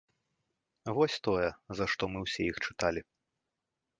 Вось тое, за што мы ўсе іх чыталі.